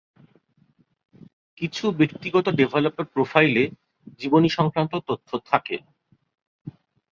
কিছু ব্যক্তিগত ডেভেলপার প্রোফাইলে জীবনী সংক্রান্ত তথ্য থাকে।